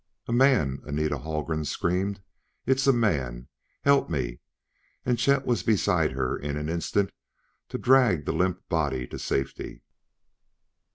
"A man!" Anita Haldgren screamed. "It's a man help me!" And Chet was beside her in an instant to drag the limp body to safety.